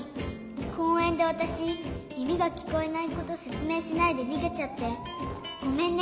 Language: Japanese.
こうえんでわたしみみがきこえないことせつめいしないでにげちゃってごめんね。